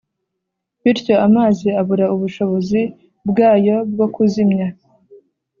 bityo amazi abura ubushobozi bwayo bwo kuzimya;